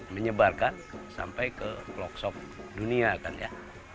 menyebarkan sampai ke klokshop dunia kan ya